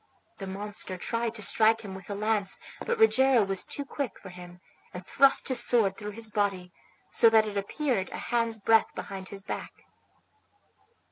The monster tried to strike him with a lance, but Rogero was too quick for him, and thrust his sword through his body, so that it appeared a hand's breadth behind his back.